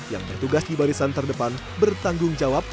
yang bertugas di barisan terdepan bertanggung jawab